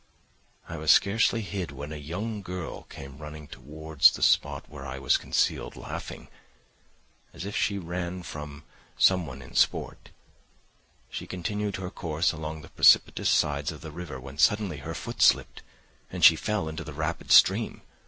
I was scarcely hid when a young girl came running towards the spot where I was concealed, laughing, as if she ran from someone in sport. She continued her course along the precipitous sides of the river, when suddenly her foot slipped, and she fell into the rapid stream.